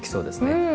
うん。